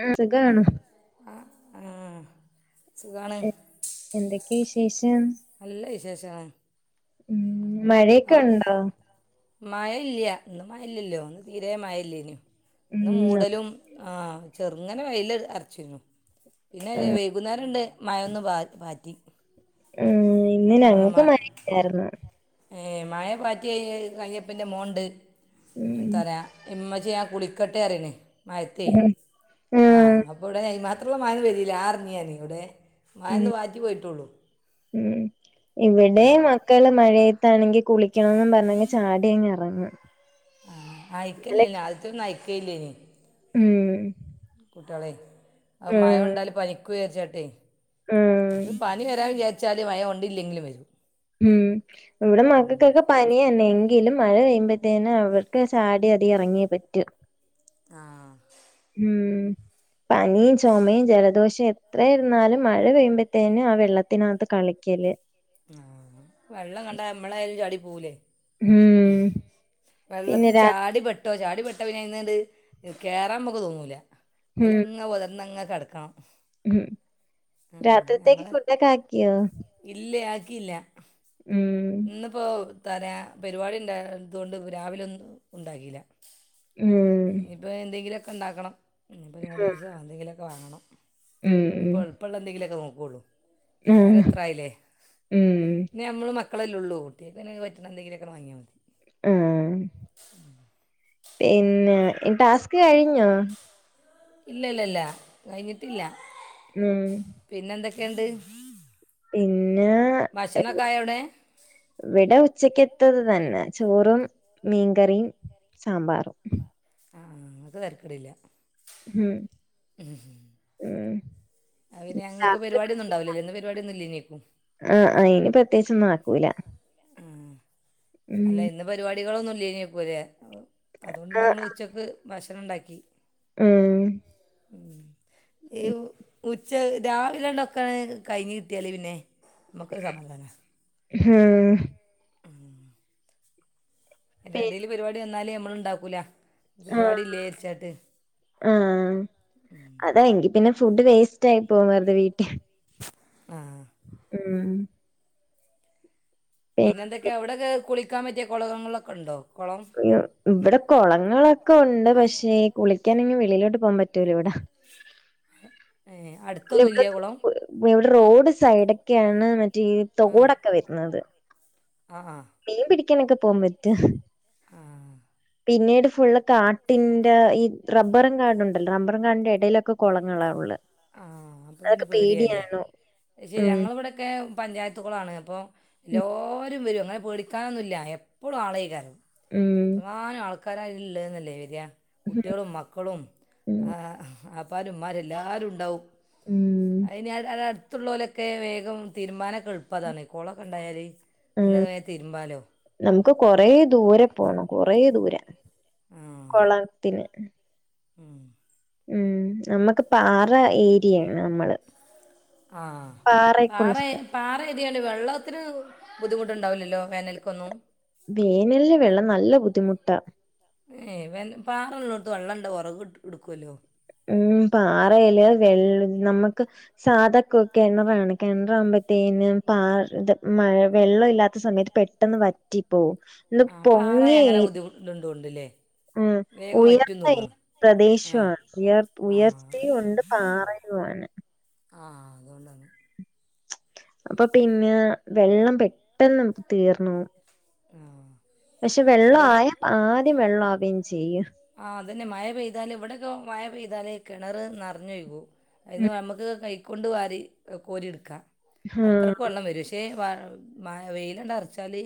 ആഹ സുഖണോ ആ ആഹ സുഖാണ് എന്തൊക്കെയ വിശേഷം നല്ലവിശേഷണ് ഉം മഴയൊക്കെ അവ ഉണ്ടോ മഴ ഇല്ല ഇന്ന് മയല്ലല്ലോ ഒന്ന് തീരെ മഴ ഇല്ലേന ഉം ഇന്ന് നമ്മ മൂടലും ആഹ ചെറുങ്ങനെ വെയിൽ അരച്ചു പിന്നെ വെയൽ പുന്നേരുണ്ട് മഴമന്ന് പാറ്റി ഉം ഇന്ന് ആ, ഞങ്ങൾക്ക് മ- മരില്ലായിരുന്നു ഏ മഴ പാറ്റിയ കയ്യപ്പിന്റെ മോണ്ട് ഉം തരാ ഇമ്മച്ച ഞാൻ കുള ഇ കട്ടയറിന മാഹത്തി ആഹ് അപ്പൊ ഇവിടെ മാത്രമള്ള മഴ വരില്ല ആ അറിഞ്ഞിയാന ഇവിടെ ഉം മായന്ന് വാറ്റി പോയിട്ടുള്ളു ഉം ഇവിടെ മക്കള് മഴയത്താണെങ്കിൽ കുളിക്കണന്ന് പറഞ്ഞങ്ക ചാടിയങ്ങ് ഇറങ്ങ ആഹ അയിക്കല്ലന ആദ്യത്തൊന്നും അയിക്കയില്ലനി ഉം കുട്ടികളെ അ ഉം മഴണ്ടാലും പനിക്കയേർച്ചാട്ടെ ഉം അത് പനി വരാൻ വിചാരിച്ചാല് മയം ഉണ്ടില്ലെങ്കിലും വരും ഉം ഇവിടെ മകൾക്കൊക്കെ പനി തന്നെ എങ്കിലും മഴ പെയ്യുമ്പോത്തേനെ അവർക്ക് സാടി അതി ഇറങ്ങിയേ പറ്റും ആഹ ഉം പനിയും ചുമയും ജലദോഷവും എത്ര ഇരുന്നാലും മഴ പെയ്യുമ്പോത്തേനും ആ വെള്ളത്തിനകത്ത് കളിക്കല് ആഹ വെള്ളം കണ്ട എമ്മളായാലും ചാടി പോവുലേ ഉം പിന്നെ വെള്ളത്തി രാ ചാടി പെട്ട കേട്ടോ ചാടി പെട്ട പിന്നെ അയതൊണ്ട് കയറാൻ നമുക്ക് തോന്നൂല്ല ഉം അതിലങ്ങ പതിർന്നങ്ങ് കിടക്കണം [inaudible] ഉം രാത്രിത്തേക്ക് ഫുഡൊക്കെ ആക്കിയോ ഇല്ലേ ആക്കില്ല ഉം ഇന്നിപ്പോ തല പരിപാടി ഉണ്ട ഇതുകൊണ്ട് രാവില ഒന്നും ഉണ്ടാക്കിയില്ല ഉം ഇപ്പോൾ എന്തെങ്കിലുമൊക്കെ ഉണ്ടാക്കണം ഇപ്പൾ ഇങ്ങൂട് ആഹ് യൂസോ എന്തെങ്കിലുമൊക്കെ വാങ്ങണം ഉം ഉം ഇപ്പോൾ ഇപ്പോള്ള എന്തെങ്കിലുമൊക്കെ നോക്കുള്ളൂ ആഹ് നേരെത്രായില്ലേ ഉം പിന്ന നമ്മ മക്കളെല്ലേ ഉള്ളൂ പിന്നെ പറ്റണ എന്തെങ്കിലുക്കെ വാങ്ങിയാൽ മതി ആ പിന്നെ ടാസ്ക് കഴിഞ്ഞോ? ഇല്ല ഇല്ല ഇല്ല കഴിഞ്ഞിട്ടില്ല ഉം പിന്നെന്തൊക്കെയണ്ട് പിന്നെ ഭക്ഷണൊക്കൊയവിടെ ഇവിടെ ഉച്ചക്കെത്തത് തന്നെ ചോറും മീൻകറിയും സാമ്പാറും ആഹ അത് തരക്കടില്ല ഉം ഉം അവ ഞങ്ങക്ക് രാത്രി പരിപാട ഒന്നണ്ടാവില്ലല്ലന്ന് പരിപാടൊന്നുല്ലനി ആഹ അ അന് പ്രത്യേകി ഒന്നും ആക്കൂല ഉം അല്ല ഇന്ന് പരിപാടികളൊന്നുംല്ലനക്കൂല്ലേ അതുകൊണ്ട് ആഹ് നിങ്ങൾ ഉച്ചക്ക് ഭക്ഷണം ഉണ്ടാക്കി ഉം ഈ ഉച്ച രാവിലെണ്ടൊക്കെ കഴിഞ് കിട്ടിയാലേ പിന്നെ മക്ക് സമാധാന ഹൂം [unintelligible] അയ്ന്റെ എടീല് പരിപാടി വന്നാല് നമ്മൾ ഉണ്ടാക്കൂല ഇഞ് ആഹ് പരിപാടി ഇല്ലേര്ച്ചാട്ട്. ആഹ് അതാ എങ്കി പിന്നെ ഫുഡ് വേസ്റ്റ് ആയി പോവും വെറുതെ വീട്ടിൽ. ആഹ് ഉം പി- പിന്നെ എന്തൊക്കെ? അവിടൊക്കെ കുളിക്കാൻ പറ്റിയ കൊളകങ്ങളൊക്കെ ഉണ്ടോ? കൊളം. ഉയ്യോ. ഇവടെ കൊളങ്ങളൊക്കെ ഉണ്ട്. പക്ഷേ കുളിക്കാനെങ്ങും വെളിയിലോട്ട് പോകാൻ പറ്റൂലവടെ. ഏ അടുത്തൊന്നും ഇല്ലേ [unintelligible] കുളം ഇവിടെ റോഡ് സൈഡൊക്കെയാണ് മറ്റേ ഈ തോടൊക്കെ വര്ന്നത്. ആഹാ മീൻ പിടിക്കാനൊക്കെ പോവൻ പറ്റു. ആ പിന്നീട് ഫുള്ള് കാ ട്ടിന്റെ ഈ റബ്ബറും കാടുണ്ടല്ലോ റബ്ബറും കാടിന്റെ എടയിലൊക്കെ കുളങ്ങളാ ഉള്ളത്. ആഹ് അപ്പം പിന്നെ പേടിയാല്ലേ. അഹ് ശരി. ഉം ഞങ്ങളെവെടൊക്കെ പഞ്ചായത്തു കൊളാണ്. അപ്പം ഉം എല്ലാരും വരും അങ്ങനെ പേടിക്കാനൊന്നുല്ല എപ്പളും ആളേക്കാരം. ഉം എത്രങ്ങാനും ആൾക്കാരായില്ള്ളന്നല്ലേ വര്വാ. ഉം കുട്ടിയേളും മക്കളും ഉം ആഹ് ആപ്പാരും ഇമ്മാരും എല്ലാരും ഉണ്ടാവും. ഉം അയ്നി അട അട്ത്തുള്ളോലൊക്കെ വേഗം തിരുമ്പാനൊക്കെൾപ്പതാണ്. കൊളൊക്കെ ണ്ടായാല്. ആ എന്നാ വേം തിരുമ്പാലോ. നമുക്ക് കൊറേ ദൂരെ പോണം. കൊറേ ദൂരെ ആ കൊളത്തിന് ഉം ഉം നമ്മക്ക് പാറ ഈ ട്ടിയാണ് നമ്മള്. പാറെക്കുള്ള സ്ഥലം പാറെ ഏതിയാല് വെള്ളത്തിന് ബുദ്ധിമുട്ടുണ്ടാവുല്ലല്ലോ വേനൽക്കൊന്നും. വേനൽല് വെള്ളം നല്ല ബുദ്ധിമുട്ടാ. ഏഹ് വെല്ലം പാറള്ളോട്ത്ത് വെള്ളണ്ടാ ഒറക് ട് ഇടുക്കുവല്ലോ. ഉം പാറേല് വെൾള് നമക്ക് സാധക്കൊക്കെ കെണറാണെ കെണറാവുമ്പത്തേനും പാ ഇത് മഴ വെള്ള ഇല്ലാത്ത സമയത്ത് പെട്ടെന്ന് വറ്റിപ്പോവും. ഇത് ഹാ പാറായാ അങ്ങനെ പൊങ്ങിയ ബുദ്ധിമു ഇണ്ട് ണ്ടോൺല്ലേ. ഉം ഉയർന്നെ ആ പ്രദേശവാ. ഉയർത്ത് ആ ഉയർച്ചയു ഉണ്ട് പാറയുവാണ്. ആഹ് അതോണ്ടാണ്. അപ്പ പിന്നെ വെള്ളം പെട്ടെന്ന് നമുക്ക് തീർന്നോവും. ആഹ്. പക്ഷെ വെള്ള ആയാ ആദ്യം വെള്ള ആവേം ചെയ്യും. ആഹ് അതന്നെ മഴ പെയ്താല് ഇവിടെയൊക്കെ മഴ പെയ്താല് കിണറ് നറഞ്ഞൊയ്കു. ഉം. അയ്ന്ന് നമ്മക്ക് കൈക്കൊണ്ട് വാരി കോരി ഇട്ക്കാ. ആഹ്. അത്രക്ക് വെള്ളം വരും ഇ പക്ഷേ വ മയ വെയിലാണ്ടർച്ചാല്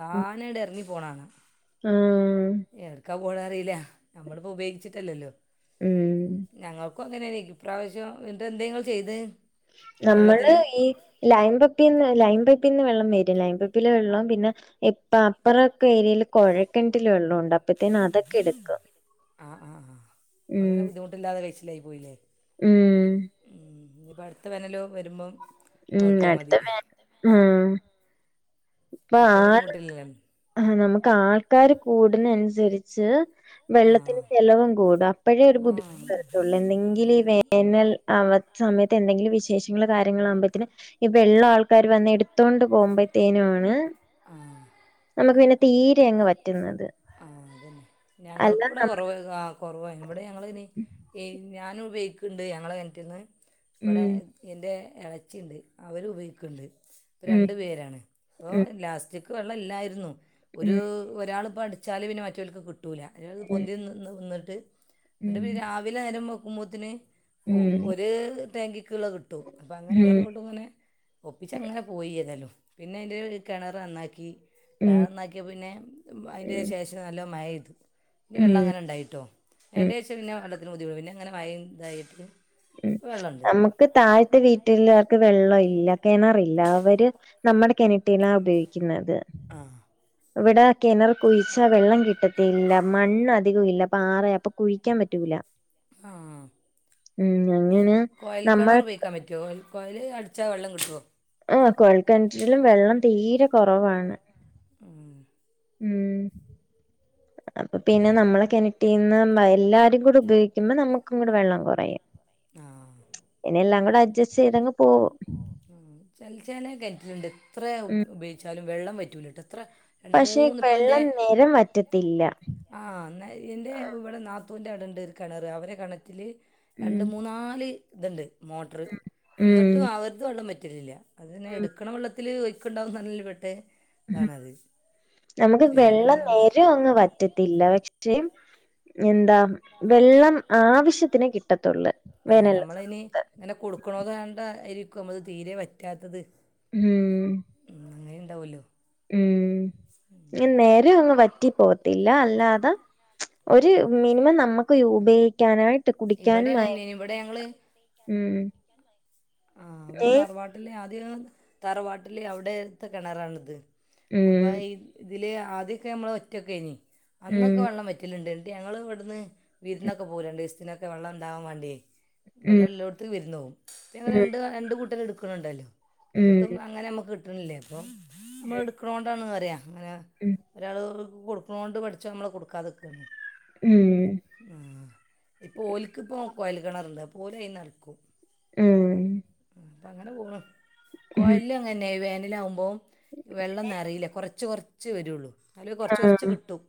താനേണ്ട് എർങ്ങി പോണാണാ. ആഹ് ഏട്ക്കാ പോണാ അറീല്ല. നമ്മളിപ്പോ ഉപയോഗിച്ചിട്ടല്ലല്ലോ ഉം ഞങ്ങക്കും അങ്ങനേനി ഇപ്രാവശ്യം ഇന്നട്ടെന്തെ ങ്ങൾ ചെയ്തെ? നമ്മള് ഈ ലൈം പപ്പിന്ന് ലൈൻ പയ്പ്പീന്ന് വെള്ളം വരും. ലൈൻ പയ്പ്പിലെ വെള്ളം പിന്നെ പ്പ അപ്പറൊക്കെ ഏരിയേല് കൊഴക്കെൻ്റ്റില് വെള്ള ഉണ്ട്. അപ്പഴ്ത്തേന് അതൊക്കെ എടുക്കും. ആഹ് ആഹ് ആഹ് അപ്പൊ ഉം. ങ്ങനെ ബുദ്ധിമുട്ടില്ലാതെ കൈച്ചിലായി പോയില്ലേ. ഉം. ഉം ഇഞ് പ്പോ അടുത്ത വേനലോ വരുമ്പം ഉം നോക്കിയാൽ അടുത്ത മതി വേൻ ഹും ഇപ്പൊ ഇപ്പം ആൾ ബുദ്ധിമുട്ടില്ലല്ലോ ആ നമക്ക് ആൾക്കാര് കൂടിന അനുസരിച്ച് വെള്ളത്തിന് ചെലവും കൂടും അപ്പോഴേ ഒരു അപ്പൊ ബുദ്ധിമുട്ട് തുള്ളിൽ ഈ എന്തെങ്കില ഈ വേനൽ ആ സമയത്ത് എന്തെങ്കിലും വിശേഷങ്ങള് കാര്യങ്ങളൾ ആകുമ്പോഴേത്തിന് ഈ വെള്ളം ആൾക്കാര് വന്ന് എടുത്തോണ്ട് പോകുമ്പോഴ തേനു ആണ് ണ് ആഹ് നമുക്ക് പിന്നെ തീരെ അങ്ങ് വറ്റുന്നത് ആ അതന്നെ അല്ല ഞങ്ങൾക്ക് ഇവിടെ നം കുറവ ആ കുറവായി ഇവിടെ ഞങ്ങളയ്ന് ഈ ഞാന് ഉപയോഗിക്ക്ണ്ട് ഞങ്ങളെ കെണറ്റ്ന്ന് ഇവടെ ഉം എൻ്റെ ഇളച്ചിണ്ട് അവര് ഉപയോഗിക്ക്ണ്ട് ഇപ്പോ ഉം രണ്ട് പേരാണ് അപ്പോ ഉം ലാസ്റ്റിക് വെള്ളം ഇല്ലായിരുന്നു ഒരു ഉം ഒരാളിപ്പം അടിച്ചാല് പിന്നെ മറ്റോൽക്ക് കിട്ടൂല അത് ഉം പൊന്തി നി നിന്നിട്ട് ന്നട്ട് ഉം പി രാവിലെ നേരം വെള്ക്കുമ്പോത്തിന് ഉം ഒര് ടാങ്കിക്കുള്ള കിട്ടും അപ്പോ അങ്ങനെ ഉം അങ്ങട്ട് ഇങ്ങട്ടും ഇങ്ങനെ ഒപ്പിച്ചങ്ങനെ പോയി ഏതാലും പിന്നെ അതിൻ്റെ കിണർ നന്നാക്കി കെണറ ഉം ന്നാക്കിയ പിന്നെ അതിൻ്റെ ഉം ശേഷം നല്ല മഴയ്തു പിന്നെ വെള്ളം ഉം അങ്ങനെ ഉണ്ടായിട്ടോ ഉം അയ്ന്റെ ശേഷം പിന്നെ വെള്ളത്തിന് ബുദ്ധിമു പിന്നെങ്ങനെ മഴയും ഇതായിട്ട് ഉം വെള്ളമുണ്ട് അമ്മക്ക് താഴ്ത്തെ വീട്ടുള്ളോർക്ക് വെള്ളം ഇല്ല കിണറില്ല അവര് നമ്മടെ കിണറ്റിലാ ഉപയോഗിക്കുന്നത് ആ ഇവിടെ കിണർ കുഴിച്ചാ വെള്ളം കിട്ടത്തില്ല മണ്ണ് അധികം ഇല്ല പാറ അപ്പൊ കുഴിക്കാൻ പറ്റൂല ആഹ് ഉം അങ്ങനെ നമ്മൾ കോയൽക്കിണർ ഉപയോഗിക്കാൻ പറ്റോ കോയൽ അടിച്ച വെള്ളം കിട്ടുവോ ആ കോഴക്കണറ്റിലും വെള്ളം തീരെ കുറവാണ് ഉം ഉം അപ്പൊ പിന്നെ നമ്മളെ കെണറ്റീന്ന് എല്ലാരും ഉപയോഗിക്കുമ്പോ നമ്മക്ക് കൂടെ വെള്ളം കുറയും ആ പിന്നെ എല്ലാം കൂടെ അട്ജസ്റ്റ് ചെയ്തങ്ങ് പോവും ഉം ചെല കെണറ്റിലുണ്ട് എത്ര ഉം ഉപയോഗിച്ചാലും വെള്ളം വറ്റൂലട്ടൊ എത്ര രണ്ട് പക്ഷെ മൂന്ന് ഇപ്പം എൻ്റെ വെള്ളം നെരം വറ്റത്തില്ല ആ ന്നാ എന്റെ ഇവിടെ നാത്തൂന്റെ അടെണ്ട് ഒരു കിണറ് അവരെ കിണറ്റില് ഉം രണ്ട് മൂന്നാല് ഇത്ണ്ട് മോട്ടർ ഉം എന്നിട്ടും അവര്തെ വെള്ളം വറ്റലില്ല അത് തന്നെ എടുക്കണ വെള്ളത്തിൽ ഒയ്ക്ക്ണ്ടാവും നല്ല പെട്ടെ ഉ നമുക്ക് വെള്ളം ചിലരങ്ങനെ നെരും അങ്ങ് വറ്റത്തില്ല പക്ഷെ പക്ഷ എന്താ വെള്ളം ആവശ്യത്തിന് കിട്ടത്തുള്ളൂ ആ വേനൽല് ഞമ്മളിനി ഇങ്ങനെ കൊടുക്കുണോത് ണ്ടായിരിക്കും അത് തീരെ വറ്റാത്തത് ഉം ഉം അങ്ങനെ ഉണ്ടാവല്ലോ ഉം ഇങ്ങ നെരം അങ്ങ് വറ്റി പോത്തില്ല അല്ലാതെ ഒരു മിനിമം നമ്മക്ക് ഉപയോഗിക്കാനായിട്ട് ഇവിടെ അങ്ങനെ കുടിക്കാനുമായി തന്നെ ഇവിടെ ഞങ്ങൾ ഉം ആ ഇവിടെ ഏ താറവാട്ടില് ആദ്യം താറവാട്ടില് അവിടെത്തെ കിണറാ ള്ളത് അപ്പൊ ഉം ഇതില് ആദ്യ ഒക്കെ നമ്മൾ ഒറ്റൊക്കെഴിഞ്ഞി അന്നൊക്കെ ഉം വെള്ളം വറ്റ റ്റലുണ്ട് ഞങ്ങള് ഇവിടുന്ന് വിര്ന്നൊക്കെ പോവും രണ്ടീസ് തിനൊക്കെ വെള്ളം ഉണ്ടാവാൻ വേണ്ടിയേ ഉം വെള്ളം ല്ലോട്ത്ത് വിര്ന്നോവും പ്പം ഞങ്ങൾ ഉം രണ്ട് രണ്ട് കൂട്ടരെട്ക്ക്ണ് ണ്ടല്ലോ ന്നട്ടും ഉം അങ്ങനെ നമുക്ക് കിട്ടണില്ലേ അപ്പം നമ്മൾ എടുക്കണോണ്ടാണ് ന്നറിയ അങ്ങനെ ഉം ഒരാൾ കൊടുക്കുണോണ്ട് പടച്ചോൻ നമ്മളെ കുടുക്കാതെക്കാണ് ഉം ഉം ഇപ്പോ ഓൽക്ക് ഇപ്പം കൊയൽ കിണറ്ണ്ട് അപ്പോ ഓലയ്ന്ന് എറ് ക്കും ഉം അങ്ങനെ പോണ് ഉം കൊയലില് അങ്ങനെ വേനല് ആകുമ്പോം വെള്ളം ന്നറയില്ല കൊറ കൊറച്ച് കൊറച്ച് വരുള്ളൂ ഇന്നാലും കൊറച്ച് കൊറച്ച് ആഹ് കിട്ടും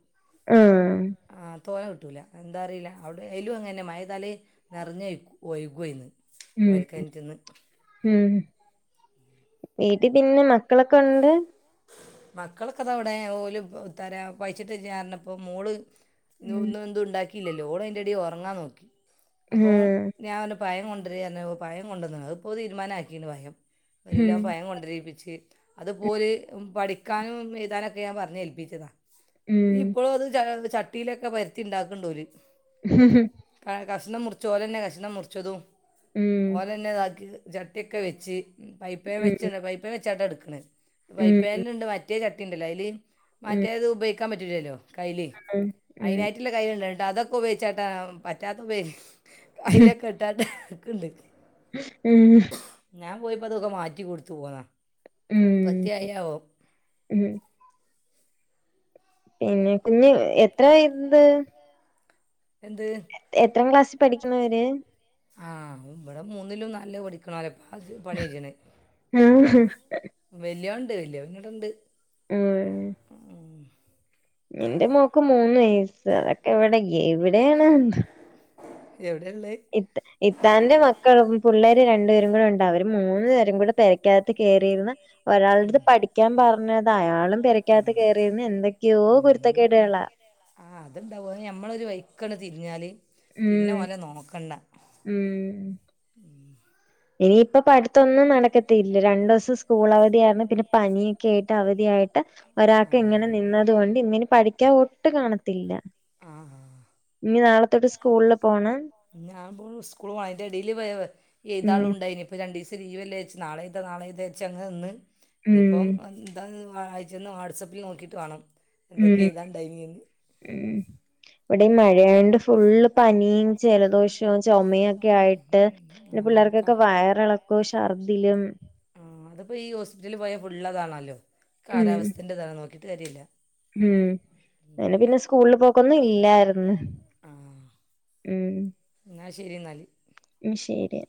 ആഹ് ആഹ് തോനെ കിട്ടൂല്ല എന്താ അറില്ല അവിടെ എയിലും അങ്ങനെ മഴ താല് നിറഞ്ഞ് ഒഴികും അയിന്ന് ഉം കെൻറ്റ്ന്ന് ഉം വീട്ടിൽ പിന്നെ മക്കളൊക്കെ ഉണ്ട് മക്കളൊക്കെ ദാവടെ ഓൽ എത്തറിയ പയിച്ചിട്ട് പറഞ്ഞപ്പം മോൾ ന്ന് ഉം ഒന്നും എന്തുണ്ടാക്കിയില്ലല്ലോ ഓൾ അതിന്റെ എടേൽ ഉറങ്ങാൻ നോക്കി അപ്പം ഉം ഞാൻ പറഞ്ഞ് പയം കൊണ്ടരി പറഞ്ഞപ്പോ പയം കൊണ്ടന്ന്ണ് അത്പ്പോ തീരുമാനക്കീണ് പയം ഒരു ഉം കിലോ പയം കൊണ്ടിരിപ്പിച്ച് അത്പ്പോൽ പഠിക്കാനും എഴുതാനൊക്കെ ഞാൻ പറഞ്ഞ് ഏൽപ്പിച്ചതാ ഉം ഇപ്പളും അത് ചട്ടിയിലൊക്കെ പര്ത്തി ഇണ്ടാക്ക്ണ്ട് ഓര് [unintelligible] കഷ്ണം മുറിച്ചു ഓലന്നെ കഷ്ണം മുറിച്ചതും ഉം ഓലന്നെ ഇതാക്കി ചട്ടിയൊക്കെ വെച്ച് ഫ്രൈപ്പേൻ ഉം വച്ചിന് ഫ്രൈപ്പേൻ വെച്ചാട്ട എടുക്കണ് ഉം ഫ്രൈപ്പേൻ ണ്ട് മറ്റേ ചട്ടിണ്ടല്ലോ അതില് ഉം മറ്റേത് ഉപയോഗിക്കാൻ പറ്റില്ലല്ലോ കയ്ൽ ഉം അയി ഉം കൈയിലുണ്ട്ട്ടോ അതൊക്കെ ഉപയോഗിച്ചാട്ടാ പറ്റാത്ത കയ്ലൊക്കെ [unintelligible] ഉം ഞാൻ പോയിപ്പോ അതൊക്കെ മാറ്റി കൊടുത്തു പോന്നാ ഉം പ്പാത്തി ആയോ ആവോ ഉം കുഞ്ഞ് എത്ര ആയിട്ടുണ്ട് എന്ത് എത്രാം ക്ലാസ്സിൽ പഠിക്കണവര് ആഹ് വടെ മൂന്നിലും നാലിലും പഠി പണി ചെയ്യണേ ആഹ് വലിയോന്ണ്ട് വലിയോന് ഇവിടൊണ്ട് ഉംഹ് എന്റെ മോക്ക് മൂന്ന് വയസ്സ് അതൊക്കെ എവിടെ ഇവിടെയാണോ എന്തോ എവിടെള്ളേ ഇത്താന്റെ മക്കൾ പിള്ളേര് രണ്ടു പേരും കൂടെ ഉണ്ട് അവര് മൂന്ന് പേരും കൂടെ പെരക്കകത്ത് കയറിയിരുന്ന ഒരാളടത് പഠിക്കാൻ പറഞ്ഞത അയാളും പെരക്കകത്ത് കയറിയിര്ന്ന് എന്തൊക്കെയോ കുരുത്തക്കേട്കളാ ആഹ് അത്ണ്ടാവും നമ്മളൊരു വൈക്കട് തിരിഞ്ഞാല് ഉം പിന്നെ ഓലെ നോക്കണ്ട ഉം [inaudible] ഇനിയിപ്പ പഠിത്തൊന്നും നടക്കത്തില്ല രണ്ടു ദിവസം സ്കൂൾ അവധിയാന്ന് പിന്നെ പനിയൊക്കെ ആയിട്ട് അവധിയായിട്ട് ഒരാൾക്ക് ഇങ്ങനെ നിന്നദ് കൊണ്ട് ഇന്നിനി പഠിക്കാൻ ഒട്ടും കാണത്തില്ല ആ ഇനിനാളെത്തോട്ട് സ്കൂളില് പോണം ഞാൻ സ്കൂൾ പോന്റെടീല് ഉം എയ്താൻള്ളുംണ്ടായിനി രണ്ടീസം ലീവല്ലേച്ച് നാളെ എയ്താ നാളെ എയ്താച്ചങ്ങനെ നിന്ന് ഇനിയിപ്പം ഉം അയച്ചെന്ന് വാട്സആപ്പിൽ നോക്കിയിട്ട് വേണം എന്തൊക്കെ ഉം എയ്താണ്ടേനിന്ന് ഉം ഇവിടെ മഴയായോണ്ട് ഫുള് പനിയും ജലദോഷം ചുമയൊക്കെ ആയിട്ട് പിന്നെ ആ പിള്ളേർക്കൊക്കെ വയറിളക്കും ഛർദിലും ആഹ് അതിപ്പോൾ ഈ ഹോസ്പിറ്റലിൽ പോയാൽ ഫുള്ളതാണല്ലോ ഉം കാലാവസ്ഥൻ്റെ ഇത നോക്കിയിട്ട് കാര്യല്ല ഉം അങ്ങനെ പിന്നെ സ്കൂളിൽ പോക്കൊന്നും ഇല്ലായിരുന്ന് ആ ഉം എന്നാൽ ശരി എന്നാല് അയ്ശരിയ